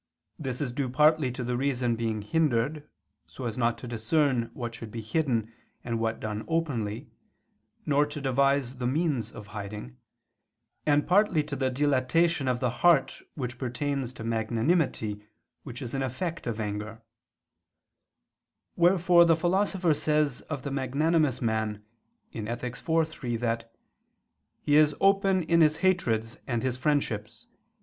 This is due partly to the reason being hindered, so as not to discern what should be hidden and what done openly, nor to devise the means of hiding; and partly to the dilatation of the heart which pertains to magnanimity which is an effect of anger: wherefore the Philosopher says of the magnanimous man (Ethic. iv, 3) that "he is open in his hatreds and his friendships